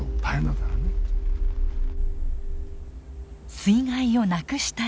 水害をなくしたい。